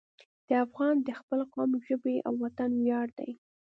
افغان د خپل قوم، ژبې او وطن ویاړ دی.